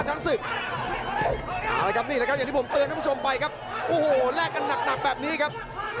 อย่างที่ผมเตือนให้คุณผู้ชมไปครับแรกกันหนักแบบนี้ครับ